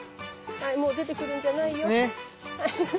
もう出てくるんじゃないよ。